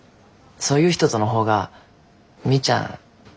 そういう人との方がみーちゃん